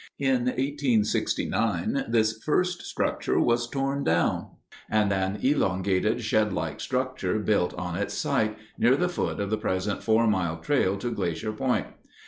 In 1869 this first structure was torn down, and an elongated shedlike structure built on its site, near the foot of the present Four Mile Trail to Glacier Point.